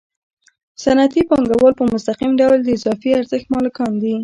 صنعتي پانګوال په مستقیم ډول د اضافي ارزښت مالکان دي